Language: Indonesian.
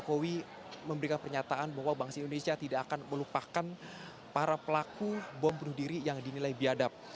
jokowi memberikan pernyataan bahwa bangsa indonesia tidak akan melupakan para pelaku bom bunuh diri yang dinilai biadab